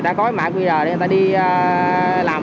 đã có mã qr để người ta đi làm